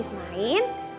oh siarang pak